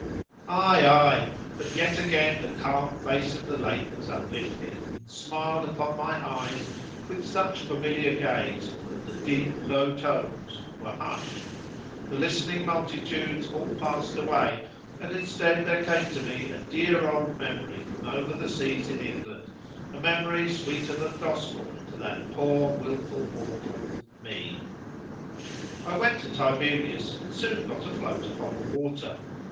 —Ay, ay, but yet again the calm face of the lake was uplifted, and smiled upon my eyes with such familiar gaze, that the "deep low tones" were hushed, the listening multitudes all passed away, and instead there came to me a dear old memory from over the seas in England, a memory sweeter than Gospel to that poor wilful mortal, me. I went to Tiberias, and soon got afloat upon the water.